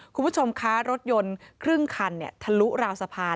คุณผู้ชมคะรถยนต์ครึ่งคันทะลุราวสะพาน